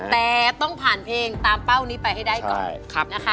แต่ต้องผ่านเพลงตามเป้านี้ไปให้ได้ก่อนนะคะ